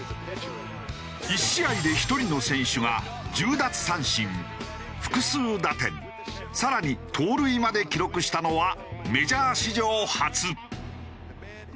１試合で１人の選手が１０奪三振複数打点更に盗塁まで記録したのはメジャー史上初。